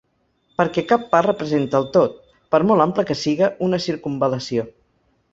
Perquè cap part representa el tot, per molt ampla que siga una circumval·lació.